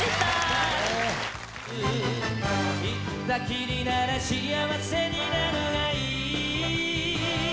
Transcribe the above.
「行ったきりならしあわせになるがいい」